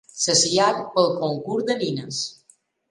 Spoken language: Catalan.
Saciat pel concurs de nines.